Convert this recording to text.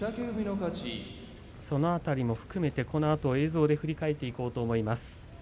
その辺りも含めてこのあと映像で振り返りたいと思います。